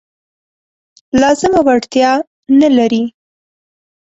لازمه وړتیا نه لري.